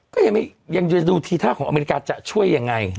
ก็ยังดูทีท่าของอเมริกาจะช่วยยังไง